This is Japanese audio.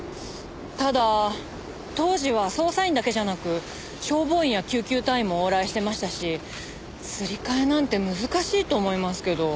ただ当時は捜査員だけじゃなく消防員や救急隊員も往来してましたしすり替えなんて難しいと思いますけど。